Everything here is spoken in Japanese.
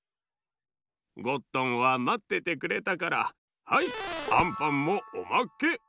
ゴットンはまっててくれたからはいアンパンもおまけ。